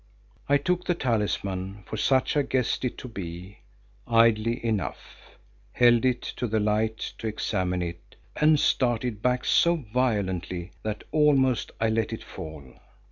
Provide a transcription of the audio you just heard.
I took the talisman, for such I guessed it to be, idly enough, held it to the light to examine it, and started back so violently that almost I let it fall.